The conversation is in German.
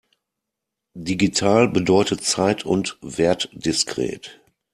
Digital bedeutet zeit- und wertdiskret.